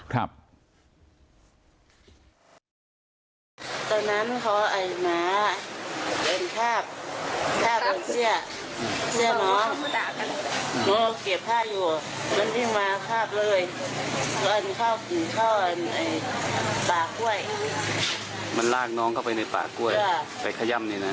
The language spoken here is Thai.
คือมันลากน้องเข้าไปในปากกล้วยไปขย่ำตรงนั้น